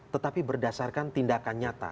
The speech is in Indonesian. tetapi berdasarkan tindakan nyata